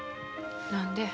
何で？